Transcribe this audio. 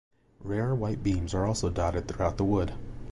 Rare whitebeams are also dotted throughout the wood.